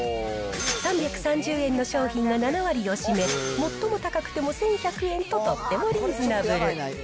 ３３０円の商品が７割を占め、最も高くても１１００円ととってもリーズナブル。